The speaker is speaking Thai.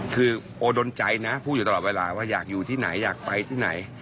คือโอดนใจนะพูดอยู่ตลอดเวลาว่าอยากอยู่ที่ไหนอยากไปที่ไหน